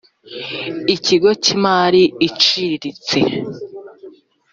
ikigo cy imari iciriritse